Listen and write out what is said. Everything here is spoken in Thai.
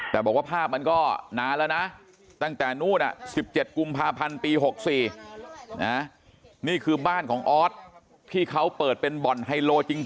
แต่บอกว่าภาพมันก็นานแล้วนะตั้งแต่นุด่ะ๑๗กุมภาพันธ์ปี๖๔